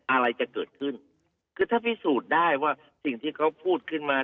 อะไรจะเกิดขึ้นคือถ้าพิสูจน์ได้ว่าสิ่งที่เขาพูดขึ้นมา